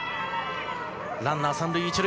ランナー、３塁１塁。